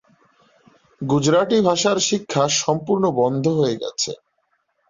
গুজরাটি ভাষার শিক্ষা সম্পূর্ণ বন্ধ হয়ে গেছে।